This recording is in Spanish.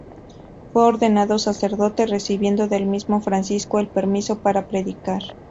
Fue ordenado sacerdote, recibiendo del mismo Francisco el permiso para predicar.